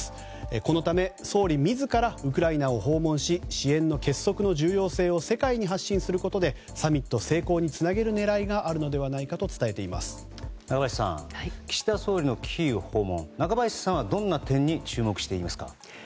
このため総理自らウクライナを訪問し支援の結束の重要性を世界に発信することでサミット成功につなげる狙いがあるのではと中林さん、岸田総理のキーウ訪問を、中林さんはどんな点に注目していますか？